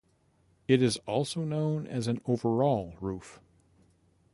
It is also known as an overall roof.